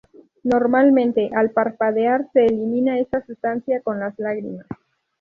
Normalmente, al parpadear se elimina esta sustancia con las lágrimas.